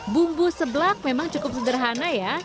bumbu seblak memang cukup sederhana ya